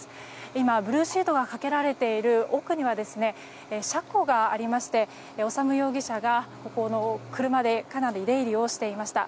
今、ブルーシートがかけられている奥には車庫がありまして修容疑者が車でかなり出入りをしていました。